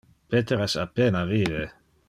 Peter es a pena vive.